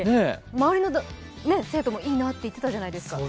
周りの生徒もいいなって言ってたじゃないですか。